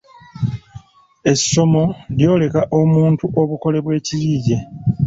Essomo lyoleka omuntu obukole bw’ekiyiiye